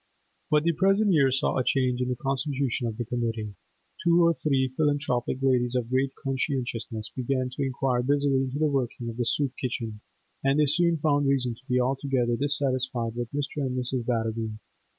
But the present year saw a change in the constitution of the committee: two or three philanthropic ladies of great conscientiousness began to inquire busily into the working of the soup kitchen, and they soon found reason to be altogether dissatisfied with Mr. and Mrs. Batterby.